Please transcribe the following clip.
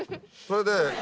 それで。